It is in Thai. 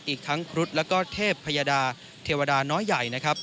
อีกทั้งครุฑและเทพพยดาเทวดาน้อยใหญ่